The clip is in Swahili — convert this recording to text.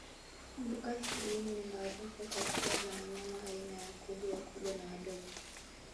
Mbuga hii ni maarufu kwa kuwa na wanyama aina ya Kudu wakubwa na wadogo